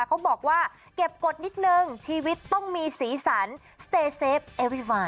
เขาบอกว่าเก็บกฎนิดนึงชีวิตต้องมีสีสันสเตเซฟเอวีวา